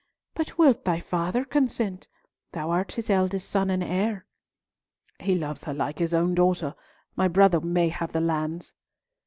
"But will thy father consent? Thou art his eldest son and heir." "He loves her like his own daughter. My brother may have the lands."